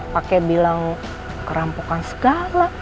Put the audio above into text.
pakai bilang kerampokan segala